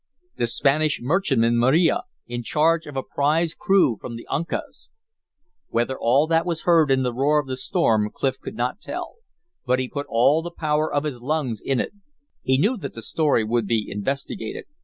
"The Spanish merchantman Maria, in charge of a prize crew from the Uncas!" Whether all that was heard in the roar of the storm Clif could not tell; but he put all the power of his lungs in it. He knew that the story would be investigated.